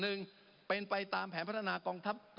หนึ่งเป็นไปตามแผนพัฒนากองทัพ